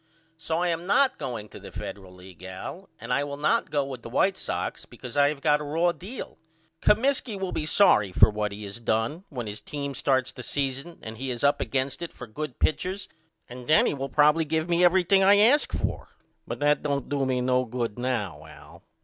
So I am not going to the Federal League Al and I will not go with the White Sox because I have got a raw deal. Comiskey will be sorry for what he done when his team starts the season and is up against it for good pitchers and then he will probily be willing to give me anything I ask for but that don't do me no good now Al.